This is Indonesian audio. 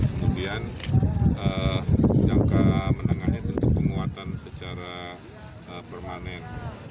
kemudian jangka menengahnya tentu penguatan secara permanen